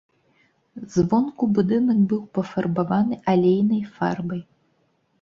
Звонку будынак быў пафарбаваны алейнай фарбай.